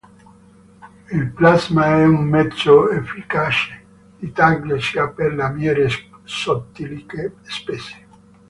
Il plasma è un mezzo efficace di taglio sia per lamiere sottili che spesse.